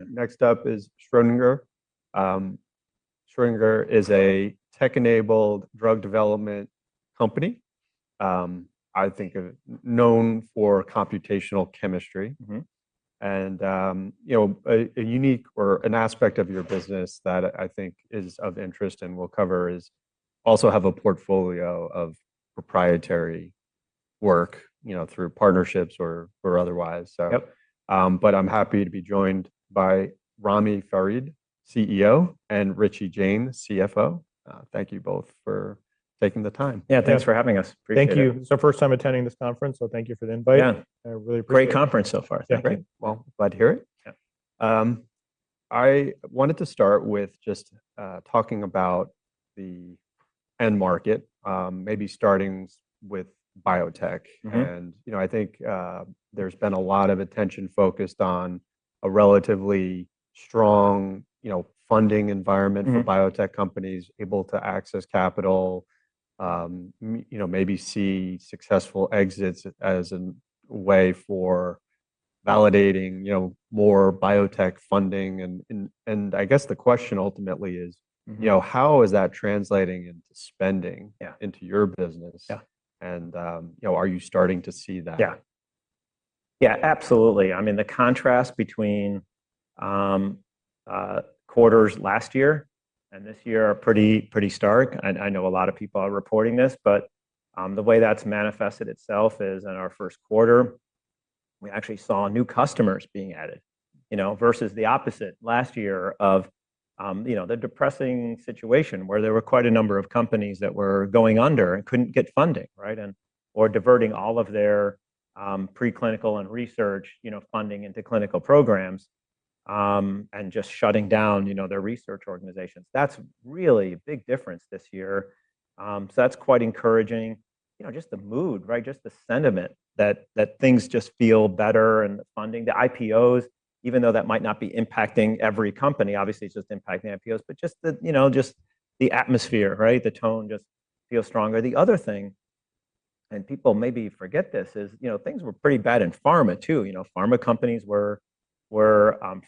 Next up is Schrödinger. Schrödinger is a tech-enabled drug development company. I think of it, known for computational chemistry. You know, a unique or an aspect of your business that I think is of interest and we'll cover is also have a portfolio of proprietary work, you know, through partnerships or otherwise. Yep. I'm happy to be joined by Ramy Farid, CEO, and Richie Jain, CFO. Thank you both for taking the time. Yeah. Yeah, thanks for having us. Appreciate it. Thank you. It's our first time attending this conference, so thank you for the invite. Yeah. I really appreciate it. Great conference so far. Thank you. Yeah. Great. Well, glad to hear it. Yeah. I wanted to start with just talking about the end market, maybe starting with biotech. I think, you know, there's been a lot of attention focused on a relatively strong, you know, funding environment for biotech companies able to access capital. you know, maybe see successful exits as a way for validating you know, more biotech funding. I guess the question ultimately is you know, how is that translating into spending into your business? You know, are you starting to see that? Yeah. Yeah, absolutely. I mean, the contrast between quarters last year and this year are pretty stark. I know a lot of people are reporting this, but the way that's manifested itself is in our 1st quarter, we actually saw new customers being added, you know, versus the opposite last year of, you know, the depressing situation where there were quite a number of companies that were going under and couldn't get funding, right? Or diverting all of their preclinical and research, you know, funding into clinical programs and just shutting down, you know, their research organizations. That's really a big difference this year. That's quite encouraging. You know, just the mood, right? Just the sentiment that things just feel better and the funding, the IPOs, even though that might not be impacting every company, obviously it's just impacting IPOs, but just the, you know, just the atmosphere, right? The tone just feels stronger. The other thing, and people maybe forget this, is, you know, things were pretty bad in pharma too. You know, pharma companies were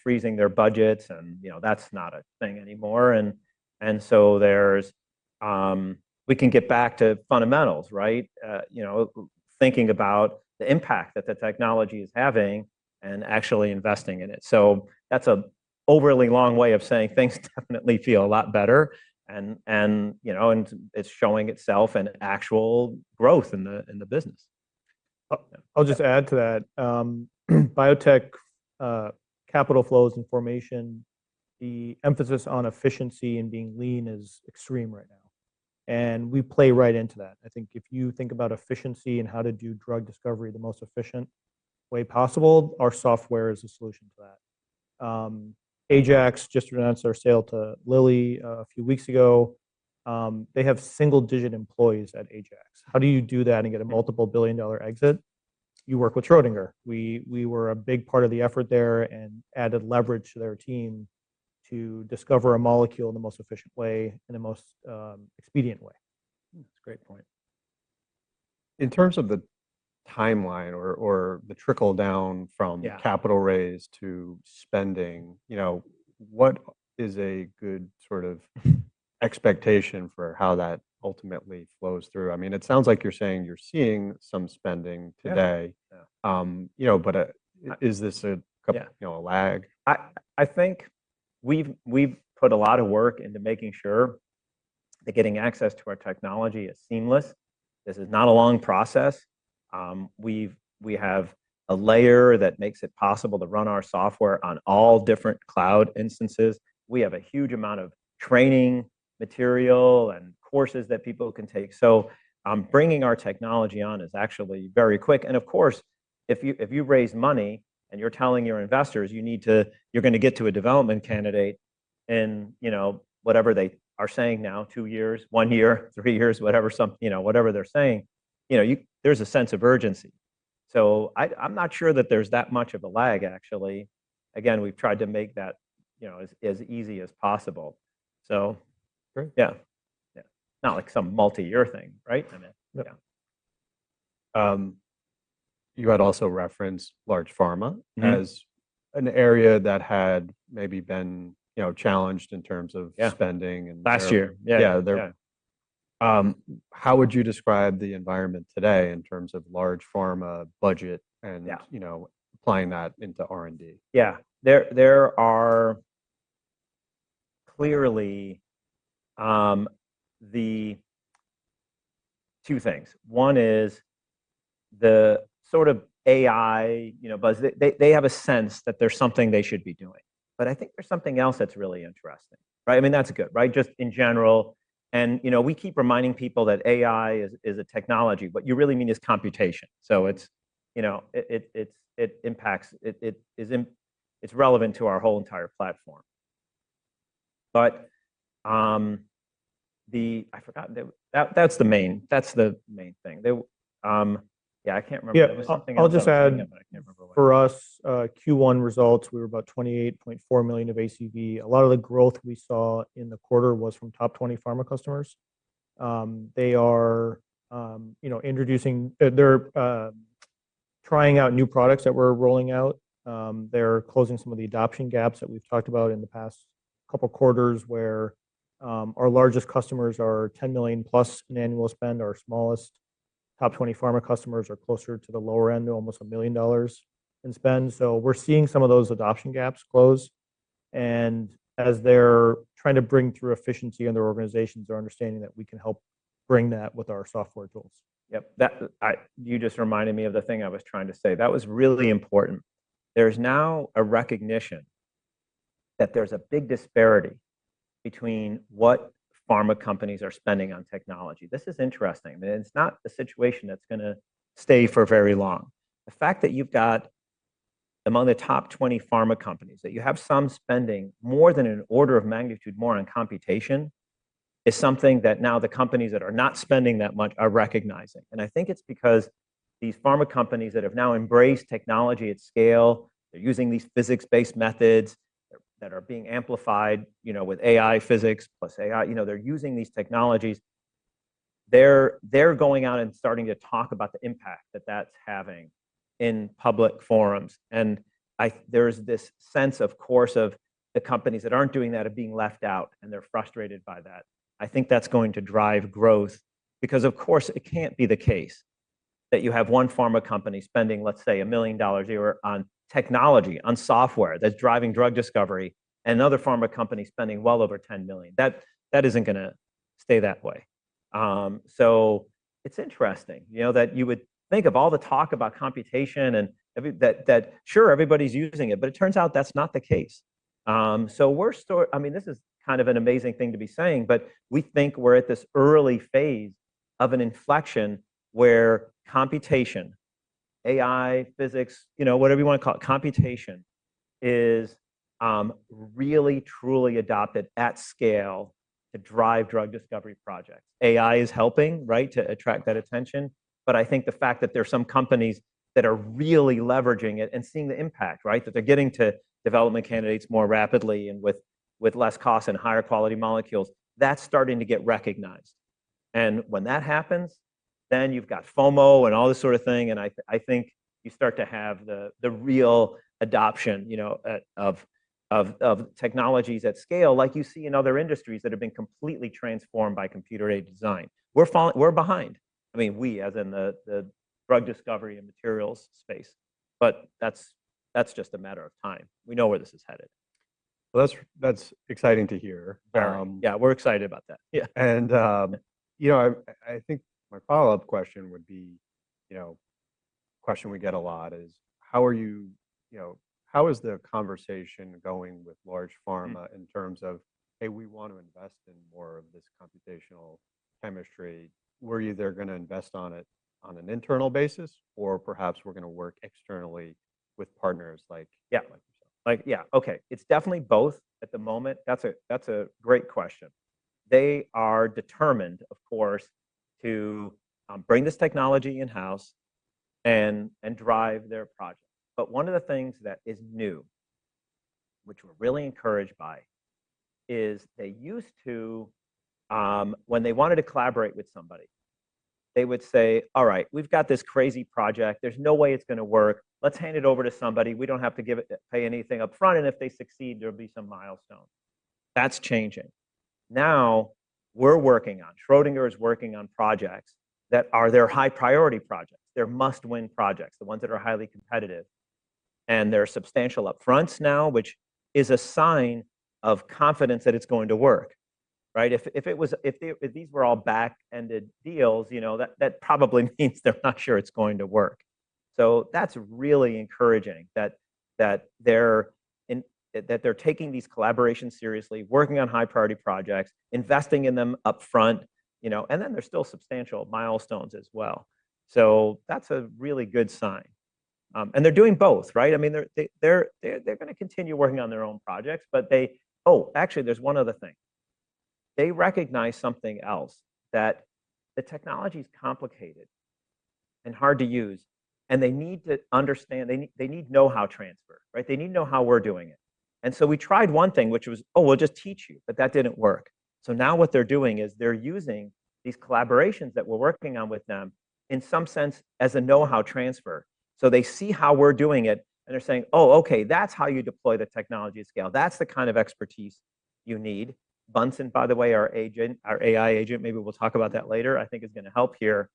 freezing their budgets and, you know, that's not a thing anymore. We can get back to fundamentals, right? You know, thinking about the impact that the technology is having and actually investing in it. That's a overly long way of saying things definitely feel a lot better and, you know, it's showing itself in actual growth in the business. I'll just add to that. biotech capital flows and formation, the emphasis on efficiency and being lean is extreme right now, and we play right into that. I think if you think about efficiency and how to do drug discovery the most efficient way possible, our software is a solution to that. Ajax just announced our sale to Lilly a few weeks ago. They have single-digit employees at Ajax. How do you do that and get a multiple billion-dollar exit? You work with Schrödinger. We were a big part of the effort there and added leverage to their team to discover a molecule in the most efficient way, in the most expedient way. That's a great point. In terms of the timeline or the trickle down. Yeah capital raise to spending, you know, what is a good sort of expectation for how that ultimately flows through? I mean, it sounds like you're saying you're seeing some spending today. Yeah, yeah. Um, you know, but, uh, is this a Yeah you know, a lag? I think we've put a lot of work into making sure that getting access to our technology is seamless. This is not a long process. We have a layer that makes it possible to run our software on all different cloud instances. We have a huge amount of training material and courses that people can take. Bringing our technology on is actually very quick. Of course, if you raise money and you're telling your investors you need to, you're gonna get to a development candidate in, you know, whatever they are saying now, two years, one year, three years, whatever they're saying, you know, there's a sense of urgency. I'm not sure that there's that much of a lag, actually. Again, we've tried to make that, you know, as easy as possible. So Great. Yeah, yeah. Not like some multi-year thing, right? I mean Yeah. Yeah. You had also referenced large pharma as an area that had maybe been, you know, challenged in terms of spending. Last year. Yeah. Yeah. They're Yeah. How would you describe the environment today in terms of large pharma budget? Yeah you know, applying that into R&D? Yeah. There are clearly, the two things. One is the sort of AI, you know, buzz. They have a sense that there's something they should be doing. I think there's something else that's really interesting, right? I mean, that's good, right? Just in general, you know, we keep reminding people that AI is a technology. You really mean is computation. It's, you know, it's relevant to our whole entire platform. The I forgot. That's the main thing. They, yeah, I can't remember. Yeah. I'll just add. There was something else I was thinking of, but I can't remember what. For us, Q1 results, we were about $28.4 million of ACV. A lot of the growth we saw in the quarter was from top 20 pharma customers. They are, you know, introducing, they're trying out new products that we're rolling out. They're closing some of the adoption gaps that we've talked about in the past couple quarters where our largest customers are $10 million plus in annual spend. Our smallest top 20 pharma customers are closer to the lower end, they're almost $1 million in spend. We're seeing some of those adoption gaps close, and as they're trying to bring through efficiency in their organizations, they're understanding that we can help bring that with our software tools. Yep. That, you just reminded me of the thing I was trying to say. That was really important. There's now a recognition that there's a big disparity between what pharma companies are spending on technology. This is interesting. It's not a situation that's gonna stay for very long. The fact that you've got, among the top 20 pharma companies, that you have some spending more than an order of magnitude more on computation, is something that now the companies that are not spending that much are recognizing. I think it's because these pharma companies that have now embraced technology at scale, they're using these physics-based methods that are being amplified, you know, with AI physics plus AI. You know, they're using these technologies. They're going out and starting to talk about the impact that that's having in public forums. There's this sense, of course, of the companies that aren't doing that are being left out, and they're frustrated by that. I think that's going to drive growth because, of course, it can't be the case that you have one pharma company spending, let's say, $1 million a year on technology, on software that's driving drug discovery, and another pharma company spending well over $10 million. That isn't gonna stay that way. It's interesting, you know, that you would think of all the talk about computation and everything, that sure, everybody's using it, but it turns out that's not the case. We're still-- I mean, this is kind of an amazing thing to be saying, but we think we're at this early phase of an inflection where computation, AI, physics, you know, whatever you wanna call it, computation is really truly adopted at scale to drive drug discovery projects. AI is helping, right, to attract that attention, but I think the fact that there are some companies that are really leveraging it and seeing the impact, right? That they're getting to development candidates more rapidly and with less cost and higher quality molecules, that's starting to get recognized. When that happens, then you've got FOMO and all this sort of thing, and I think you start to have the real adoption, you know, at of technologies at scale like you see in other industries that have been completely transformed by computer-aided design. We're behind. I mean, we as in the drug discovery and materials space, but that's just a matter of time. We know where this is headed. Well, that's exciting to hear. Yeah, we're excited about that. Yeah. You know, I think my follow-up question would be, you know, question we get a lot is: How is the conversation going with large pharma in terms of, "Hey, we want to invest in more of this computational chemistry." We're either gonna invest on it on an internal basis, or perhaps we're gonna work externally with partners like. Yeah. Like yourself. Like, yeah. Okay. It's definitely both at the moment. That's a great question. They are determined, of course, to bring this technology in-house and drive their projects. One of the things that is new, which we're really encouraged by, is they used to when they wanted to collaborate with somebody, they would say, "All right. We've got this crazy project. There's no way it's gonna work. Let's hand it over to somebody. We don't have to pay anything up front, and if they succeed, there'll be some milestone." That's changing. Now, Schrödinger is working on projects that are their high priority projects, their must-win projects, the ones that are highly competitive. There are substantial up-fronts now, which is a sign of confidence that it's going to work, right? If these were all back-ended deals, you know, that probably means they're not sure it's going to work. That's really encouraging that they're taking these collaborations seriously, working on high priority projects, investing in them up front, you know, and then there's still substantial milestones as well. That's a really good sign. They're doing both, right? I mean, they're gonna continue working on their own projects. Actually, there's one other thing. They recognize something else, that the technology's complicated and hard to use, and they need to understand. They need know-how transfer, right? They need to know how we're doing it. We tried one thing, which was, "We'll just teach you," but that didn't work. Now what they're doing is they're using these collaborations that we're working on with them in some sense as a know-how transfer. They see how we're doing it, and they're saying, "Oh, okay. That's how you deploy the technology at scale. That's the kind of expertise you need." Bunsen, by the way, our agent, our AI agent, maybe we'll talk about that later, I think is gonna help here.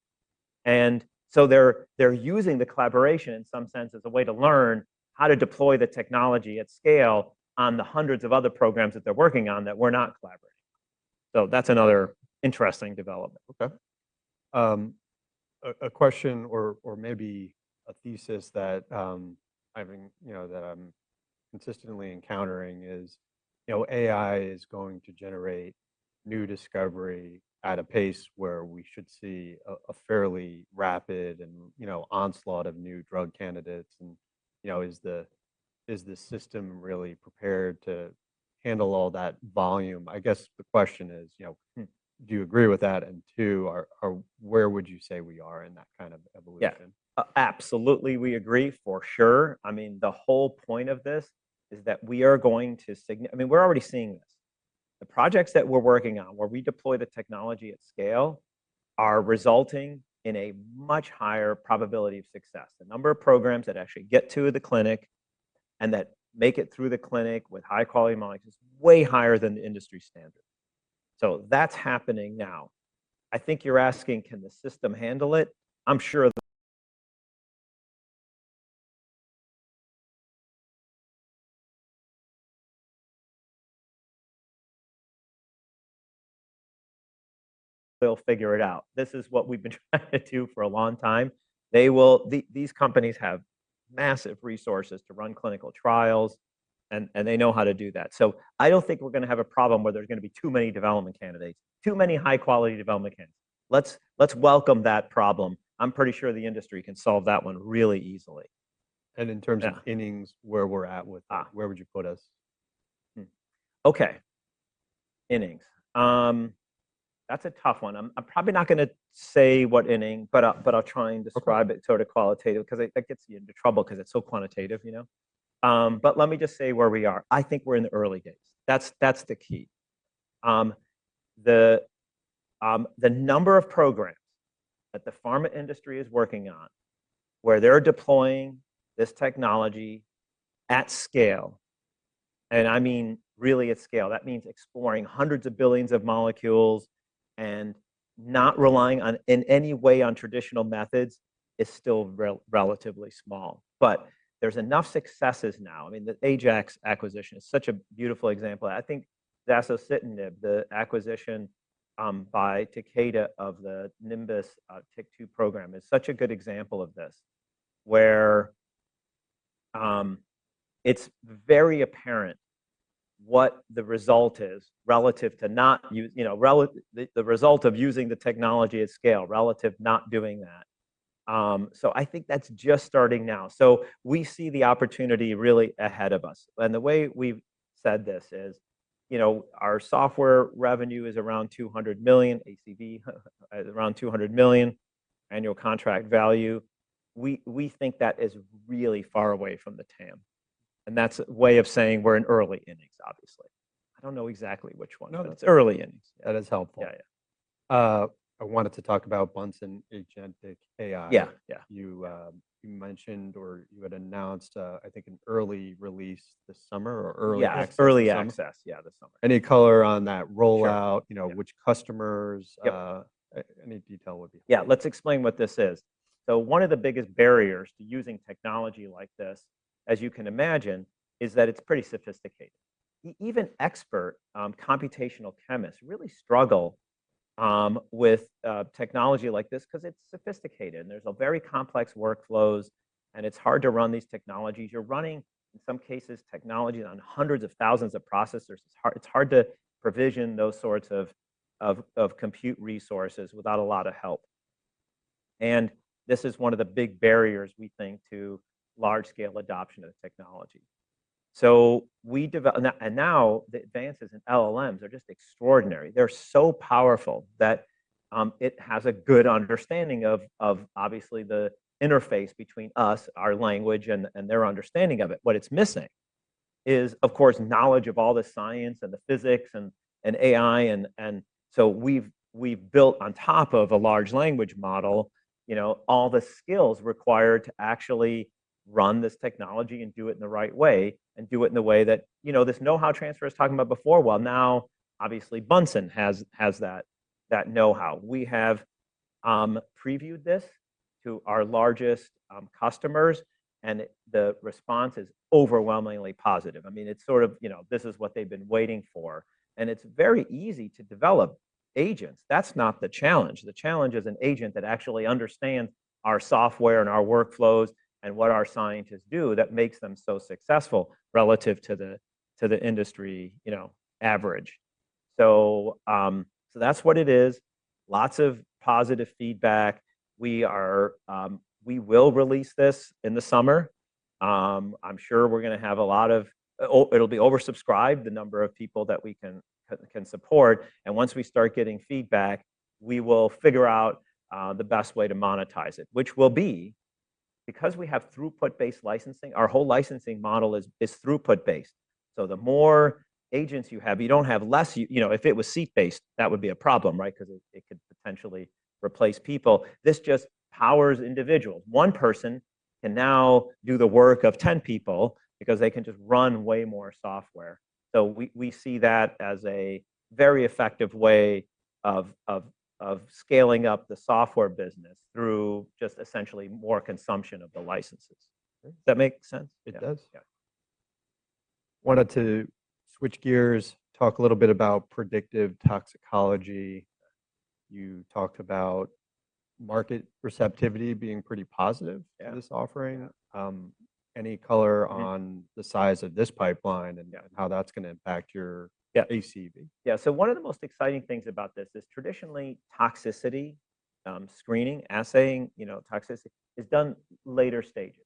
They're using the collaboration in some sense as a way to learn how to deploy the technology at scale on the hundreds of other programs that they're working on that we're not collaborating on. That's another interesting development. Okay. A question or maybe a thesis that I've been, you know, that I'm consistently encountering is, you know, AI is going to generate new discovery at a pace where we should see a fairly rapid and, you know, onslaught of new drug candidates and, you know, is the system really prepared to handle all that volume? I guess the question is, you know do you agree with that? two, where would you say we are in that kind of evolution? Yeah. Absolutely we agree, for sure. I mean, the whole point of this is that we are going to, I mean, we're already seeing this. The projects that we're working on where we deploy the technology at scale are resulting in a much higher probability of success. The number of programs that actually get to the clinic and that make it through the clinic with high quality molecules is way higher than the industry standard. That's happening now. I think you're asking, can the system handle it? I'm sure they'll figure it out. This is what we've been trying to do for a long time. They will, these companies have massive resources to run clinical trials and they know how to do that. I don't think we're gonna have a problem where there's gonna be too many development candidates, too many high quality development candidates. Let's welcome that problem. I'm pretty sure the industry can solve that one really easily. And in terms of Yeah innings, where we're at. Where would you put us? Okay. Innings. That's a tough one. I'm probably not gonna say what inning, but I'll try and describe it sort of qualitative because that gets you into trouble because it's so quantitative, you know. Let me just say where we are. I think we're in the early days. That's the key. The number of programs that the pharma industry is working on where they're deploying this technology at scale, and I mean really at scale. That means exploring hundreds of billions of molecules and not relying on, in any way on traditional methods is still relatively small. There's enough successes now. I mean, the Ajax Therapeutics acquisition is such a beautiful example. I think that's an example, the acquisition by Takeda of the Nimbus TYK2 program is such a good example of this, where it's very apparent what the result is relative to not use, you know, the result of using the technology at scale relative not doing that. I think that's just starting now. We see the opportunity really ahead of us, and the way we've said this is, you know, our software revenue is around $200 million, ACV, around $200 million annual contract value. We think that is really far away from the TAM, and that's a way of saying we're in early innings, obviously. I don't know exactly which 1. No. It's early innings. That is helpful. Yeah, yeah. I wanted to talk about Bunsen agentic AI. Yeah, yeah. You, you mentioned or you had announced, I think an early release this summer or early access this summer. Yeah, early access, yeah, this summer. Any color on that rollout? Sure, yeah. you know, which customers. Yep Any detail would be helpful. Let's explain what this is. One of the biggest barriers to using technology like this, as you can imagine, is that it's pretty sophisticated. Even expert computational chemists really struggle with technology like this 'cause it's sophisticated, there's a very complex workflows, it's hard to run these technologies. You're running, in some cases, technology on hundreds of thousands of processors. It's hard to provision those sorts of compute resources without a lot of help. This is one of the big barriers, we think, to large scale adoption of the technology. Now the advances in LLMs are just extraordinary. They're so powerful that it has a good understanding of obviously the interface between us, our language, their understanding of it. What it's missing is, of course, knowledge of all the science and the physics and AI and so we've built on top of a large language model, you know, all the skills required to actually run this technology and do it in the right way, and do it in the way that, you know, this know-how transfer I was talking about before, well, now obviously Bunsen has that know-how. We have previewed this to our largest customers, and the response is overwhelmingly positive. I mean, it's sort of, you know, this is what they've been waiting for, and it's very easy to develop agents. That's not the challenge. The challenge is an agent that actually understands our software and our workflows and what our scientists do that makes them so successful relative to the industry, you know, average. That's what it is. Lots of positive feedback. We will release this in the summer. I'm sure we're gonna have a lot of it'll be oversubscribed, the number of people that we can support, and once we start getting feedback, we will figure out the best way to monetize it, which will be, because we have throughput-based licensing, our whole licensing model is throughput based. The more agents you have, you don't have less, you know, if it was seat-based, that would be a problem, right? Because it could potentially replace people. This just powers individuals. One person can now do the work of 10 people because they can just run way more software. We see that as a very effective way of scaling up the software business through just essentially more consumption of the licenses. Okay. Does that make sense? It does. Yeah. Wanted to switch gears, talk a little bit about predictive toxicology. You talked about market receptivity being pretty positive. Yeah for this offering. Yeah. Any color on the size of this pipeline? Yeah how that's gonna impact. Yeah ACV. Yeah. One of the most exciting things about this is traditionally toxicity, screening, assaying, you know, toxicity is done later stages.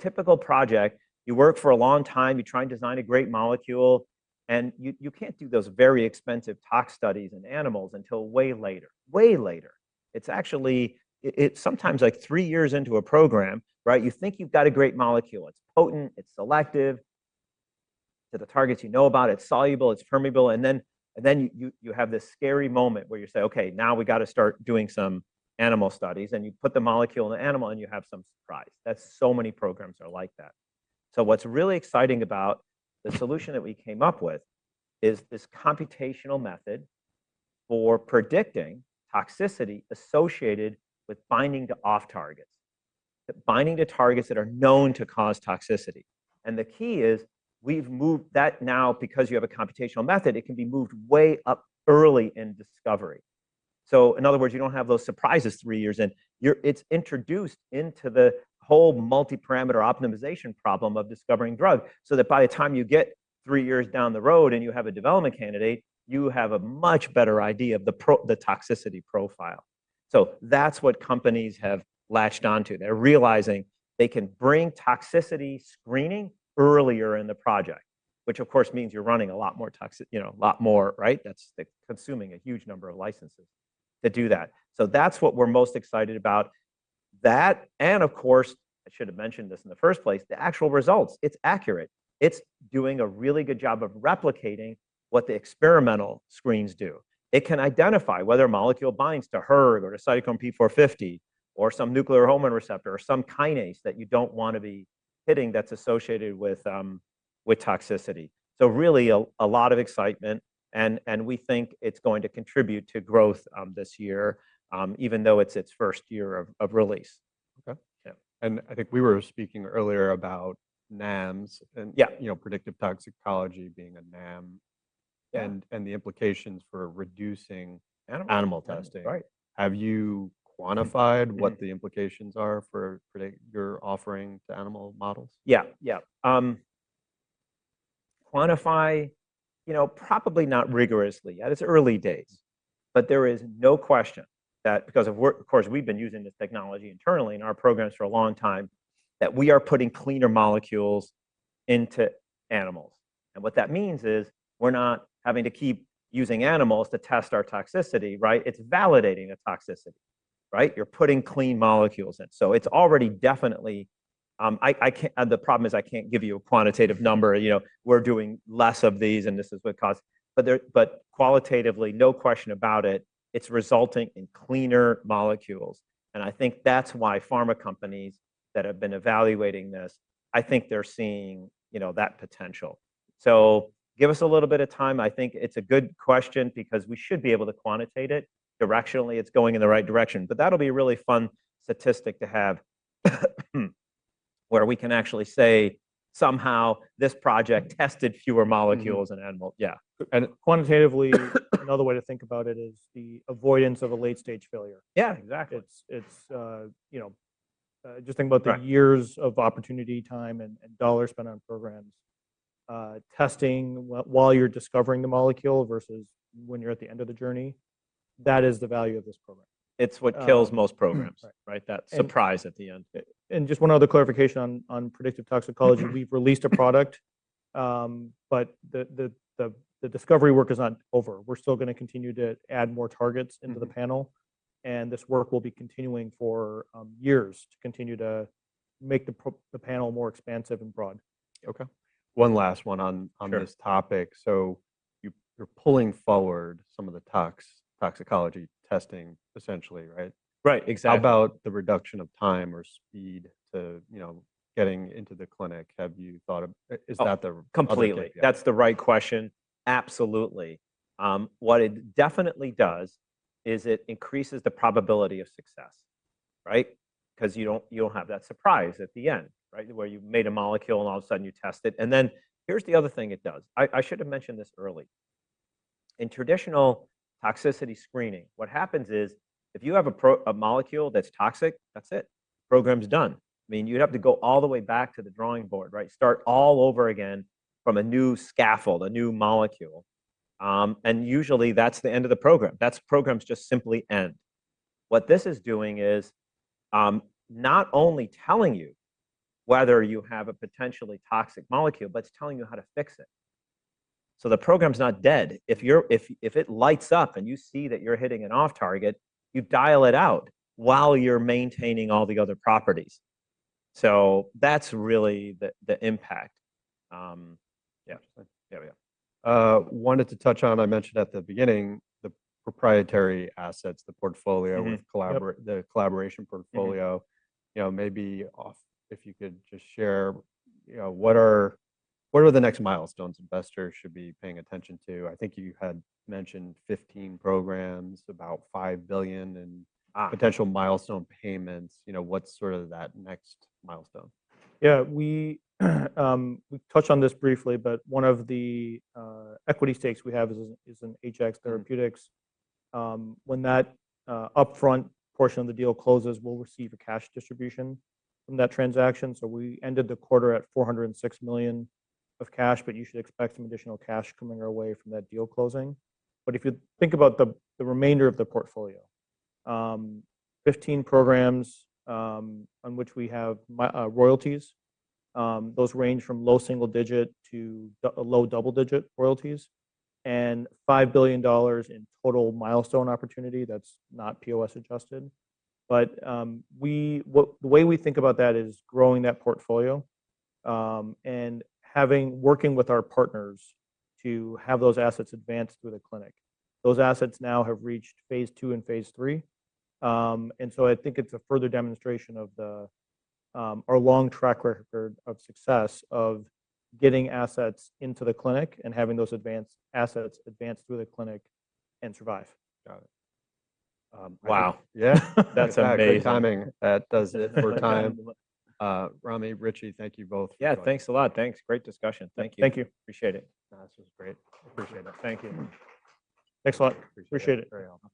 Typical project, you work for a long time, you try and design a great molecule, and you can't do those very expensive tox studies in animals until way later. Way later. It's actually, it's sometimes, like, three years into a program, right? You think you've got a great molecule. It's potent, it's selective to the targets you know about, it's soluble, it's permeable, and then, and then you, you have this scary moment where you say, "Okay, now we gotta start doing some animal studies," and you put the molecule in the animal, and you have some surprise. That's so many programs are like that. What's really exciting about the solution that we came up with is this computational method for predicting toxicity associated with binding to off targets. The binding to targets that are known to cause toxicity. The key is we've moved that now because you have a computational method, it can be moved way up early in discovery. In other words, you don't have those surprises three years in. It's introduced into the whole multi-parameter optimization problem of discovering drug, so that by the time you get three years down the road and you have a development candidate, you have a much better idea of the toxicity profile. That's what companies have latched onto. They're realizing they can bring toxicity screening earlier in the project, which of course means you're running a lot more, you know, a lot more, right? That's, like, consuming a huge number of licenses to do that. That's what we're most excited about. That, of course, I should have mentioned this in the first place, the actual results. It's accurate. It's doing a really good job of replicating what the experimental screens do. It can identify whether a molecule binds to hERG or to cytochrome P450, or some nuclear hormone receptor, or some kinase that you don't wanna be hitting that's associated with toxicity. Really a lot of excitement and we think it's going to contribute to growth this year, even though it's its first year of release. Okay. Yeah. I think we were speaking earlier about NAMs. Yeah you know, predictive toxicology being a NAM and the implications for reducing animal testing. Animal testing, right. Have you quantified what the implications are for your offering to animal models? Yeah, yeah. Quantify, you know, probably not rigorously. Yeah, it's early days, but there is no question that because of work, of course, we've been using this technology internally in our programs for a long time, that we are putting cleaner molecules into animals, and what that means is we're not having to keep using animals to test our toxicity, right? It's validating a toxicity, right? You're putting clean molecules in. It's already definitely, the problem is I can't give you a quantitative number, you know, we're doing less of these, and this is what caused. There, but qualitatively, no question about it's resulting in cleaner molecules, and I think that's why pharma companies that have been evaluating this, I think they're seeing, you know, that potential. Give us a little bit of time. I think it's a good question because we should be able to quantitate it. Directionally, it's going in the right direction, but that'll be a really fun statistic to have where we can actually say somehow this project tested fewer molecules in animal. Yeah. Quantitatively, another way to think about it is the avoidance of a late stage failure. Yeah, exactly. It's, you know. Right years of opportunity, time, and dollars spent on programs, testing while you're discovering the molecule versus when you're at the end of the journey. That is the value of this program. It's what kills most programs. Right. Right? That surprise at the end. Just one other clarification on predictive toxicology. We've released a product, the discovery work is not over. We're still going to continue to add more targets into the panel, this work will be continuing for years to continue to make the panel more expansive and broad. Okay. One last one on this topic. Sure. You're pulling forward some of the toxicology testing essentially, right? Right, exactly. How about the reduction of time or speed to, you know, getting into the clinic? Oh. Is that the other completely. Yeah. That's the right question. Absolutely. What it definitely does is it increases the probability of success, right? Cause you don't, you don't have that surprise at the end, right? Where you made a molecule and all of a sudden you test it. Then here's the other thing it does. I should have mentioned this early. In traditional toxicity screening, what happens is if you have a molecule that's toxic, that's it. Program's done. I mean, you'd have to go all the way back to the drawing board, right? Start all over again from a new scaffold, a new molecule. Usually that's the end of the program. Programs just simply end. What this is doing is not only telling you whether you have a potentially toxic molecule, but it's telling you how to fix it. The program's not dead. If it lights up and you see that you're hitting an off target, you dial it out while you're maintaining all the other properties. That's really the impact. There we go. I wanted to touch on, I mentioned at the beginning, the proprietary assets, the portfolio with the collaboration portfolio. You know, maybe if you could just share, you know, what are the next milestones investors should be paying attention to? I think you had mentioned 15 programs, about $5 billion potential milestone payments. You know, what's sort of that next milestone? Yeah. We touched on this briefly, but one of the equity stakes we have is in HX Therapeutics. When that upfront portion of the deal closes, we'll receive a cash distribution from that transaction. We ended the quarter at $406 million of cash, but you should expect some additional cash coming our way from that deal closing. If you think about the remainder of the portfolio, 15 programs on which we have royalties, those range from low single digit to low double digit royalties, and $5 billion in total milestone opportunity, that's not POS adjusted. The way we think about that is growing that portfolio, and having, working with our partners to have those assets advanced through the clinic. Those assets now have reached phase II and phase III. I think it's a further demonstration of our long track record of success of getting assets into the clinic and having those advanced assets advanced through the clinic and survive. Got it. Um, I think Wow. Yeah. That's amazing. In fact, good timing. That does it for time. Ramy, Richie, thank you both for joining. Yeah, thanks a lot. Thanks. Great discussion. Thank you. Thank you. Appreciate it. This was great. Appreciate it. Thank you. Thanks a lot. Appreciate it. Very helpful.